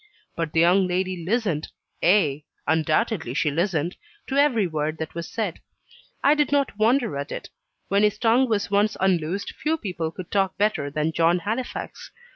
But the young lady listened ay, undoubtedly she listened to every word that was said. I did not wonder at it: when his tongue was once unloosed few people could talk better than John Halifax.